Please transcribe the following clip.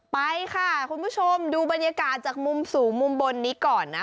ไปค่ะคุณผู้ชมดูบรรยากาศจากมุมสูงมุมบนนี้ก่อนนะ